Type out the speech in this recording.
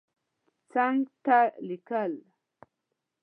څنګ ته لیکل